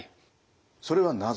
それはなぜ？